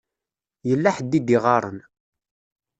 Yella ḥedd i d-iɣaṛen.